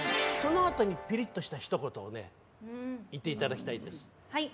そのあとにピリッとしたひとことを言っていただきたいです。